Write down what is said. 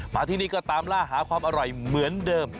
มาที่นี่ก็ตามล่าหาความอร่อยเหมือนเดิม